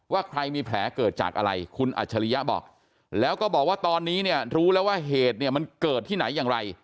ว่าใครมีแผลเกิดจากอะไรคุณอัจฉริยะบอกแล้วก็บอกว่าตอนนี้เนี่ยรู้แล้วว่าเหตุเนี่ยมันเกิดที่ไหนอย่างไร